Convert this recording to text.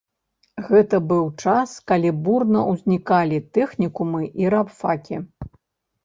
Гэта быў час, калі бурна ўзнікалі тэхнікумы і рабфакі.